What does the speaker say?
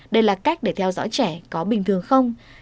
đây là cách để theo dõi trẻ có bình thường không